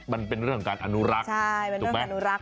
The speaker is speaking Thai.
มันเป็นเรื่องการอนุรักษ์ใช่เป็นเรื่องการอนุรักษ์